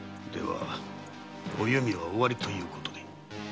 ではお弓は終わりということに？